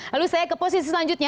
lalu saya ke posisi selanjutnya